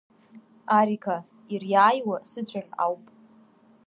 Ариқа, ириааиуа сыцәаӷь ауп!